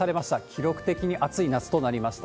記録的に暑い夏となりました。